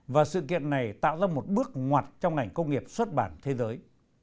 và sự kiện này tạo ra một bước ngoặt trong ngành công nghiệp xuất bản thế giới